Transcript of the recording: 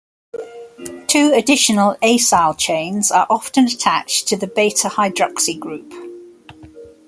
Two additional acyl chains are often attached to the beta hydroxy group.